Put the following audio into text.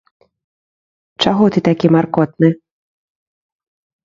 Чаго ты такі маркотны?